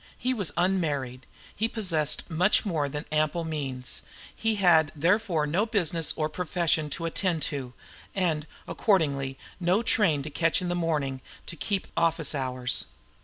He was unmarried; he possessed much more than ample means; he had therefore no business or profession to attend to, and accordingly no train to catch of a morning in order to keep office hours.